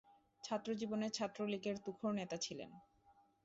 ছাত্রজীবনে ছাত্রলীগের তুখোড় নেতা ছিলেন।